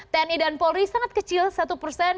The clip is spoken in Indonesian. tni dan polri sangat kecil satu persen